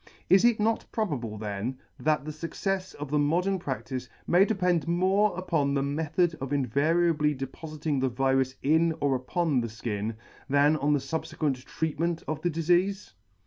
Is it not probable then, that the fuccefs of the modern praCtice may depend more upon the method of invariably depofiting the virus in or upon the fkin, than on the fubfequent treatment of the difeafe